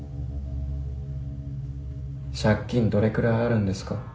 借金どれくらいあるんですか？